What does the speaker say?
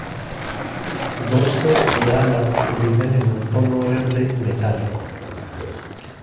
Dorso y alas brillan en un tono verde metálico.